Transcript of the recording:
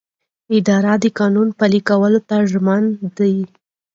اداره د قانون پلي کولو ته ژمنه ده.